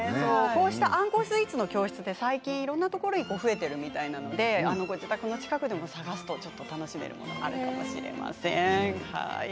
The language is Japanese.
こうしたあんこスイーツの教室は最近いろいろなところで増えているみたいなので自宅の近くで探してみてもいいかもしれません。